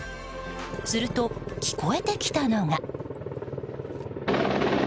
すると、聞こえてきたのが。